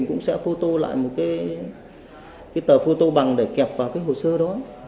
cũng sẽ phô tô lại một cái tờ phô tô bằng để kẹp vào cái hồ sơ đó